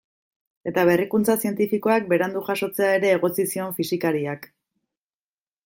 Eta berrikuntza zientifikoak berandu jasotzea ere egotzi zion fisikariak.